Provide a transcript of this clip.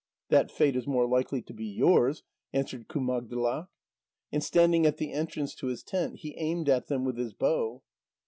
"That fate is more likely to be yours," answered Kumagdlak. And standing at the entrance to his tent, he aimed at them with his bow.